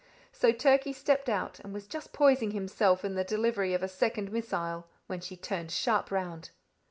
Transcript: So Turkey stepped out, and was just poising himself in the delivery of a second missile, when she turned sharp round.